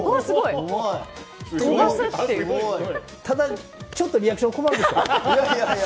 ただ、ちょっとリアクションに困りますよね。